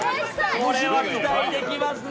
これは期待できますね。